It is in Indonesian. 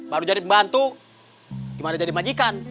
baru jadi pembantu gimana jadi majikan